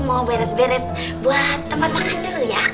mau beres beres buat tempat makan dulu ya